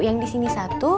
yang disini satu